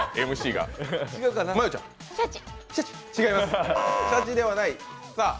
違います。